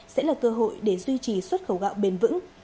sẽ là cơ hội để duy trì xuất khẩu gạo bền vững